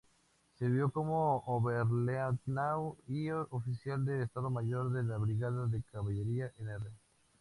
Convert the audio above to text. Sirvió como Oberleutnant y Oficial del Estado Mayor de la Brigada de Caballería Nr.